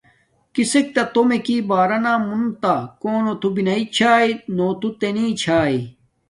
کسک تہ تومیکی بارانا مونتہ، کونے بیݵ چھاݷ نو تنی چھݵ،